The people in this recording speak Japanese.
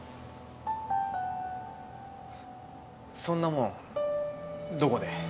そんなものどこで。